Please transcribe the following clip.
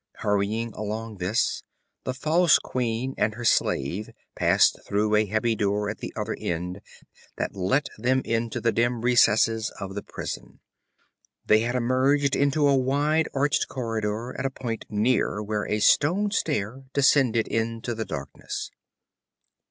Hurrying along this, the false queen and her slave passed through a heavy door at the other end that let them into the dim lit recesses of the prison. They had emerged into a wide, arched corridor at a point near where a stone stair descended into the darkness.